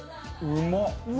うまっ！